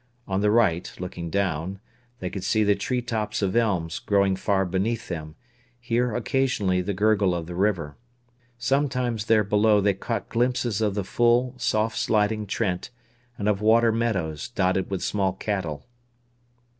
On the right, looking down, they could see the tree tops of elms growing far beneath them, hear occasionally the gurgle of the river. Sometimes there below they caught glimpses of the full, soft sliding Trent, and of water meadows dotted with small cattle.